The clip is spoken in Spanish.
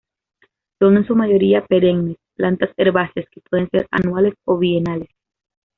Son en su mayoría perennes, plantas herbáceas que pueden ser anuales o bienales.